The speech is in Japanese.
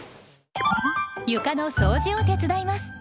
床の掃除を手伝います。